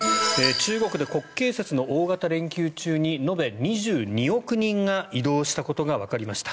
中国で国慶節の大型連休中に延べ２２億人が移動したことがわかりました。